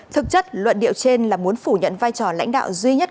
thực chất luận điệu trên là muốn phủ nhận vai trò lãnh đạo duy nhất